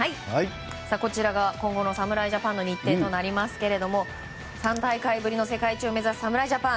今後の侍ジャパンの日程となりますが３大会ぶりの世界一を目指す侍ジャパン。